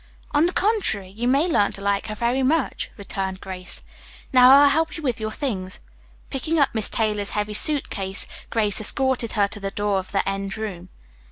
"On the contrary, you may learn to like her very much," returned Grace. "Now I'll help you with your things." Picking up Miss Taylor's heavy suit case, Grace escorted her to the door of the end room.